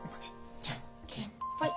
じゃんけんぽい。